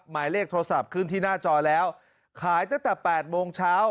หมายเลขโทรศัพท์ขึ้นที่หน้าจอแล้วขายตั้งแต่๘โมงเช้า